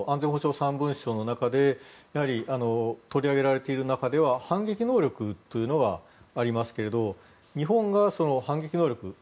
３文書の中でやはり取り上げられている中では反撃能力というのがありますけれど日本が反撃能力